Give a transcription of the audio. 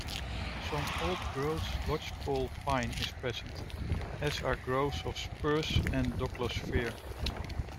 Some old-growth lodgepole pine is present, as are groves of spruce and douglas-fir.